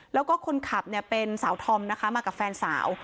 แล้วก็คนขับเนี่ยเป็นสาวธอมนะคะมากับแฟนสาว